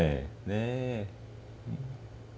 ねえ。